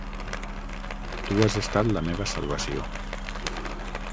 Tu has estat la meva salvació.